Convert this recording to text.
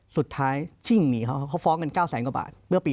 สุดท้ายชิ่งหนีเขาเขาฟ้องกัน๙แสนกว่าบาทเมื่อปี๒